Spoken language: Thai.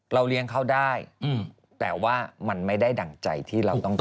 เลี้ยงเขาได้แต่ว่ามันไม่ได้ดั่งใจที่เราต้องการ